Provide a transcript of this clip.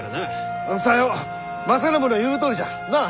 さよう正信の言うとおりじゃ。なあ？